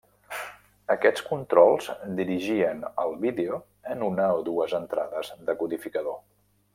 Aquests controls dirigien el vídeo en una o dues entrades de codificador.